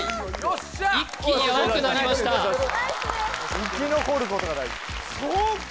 生き残ることが大事そうか！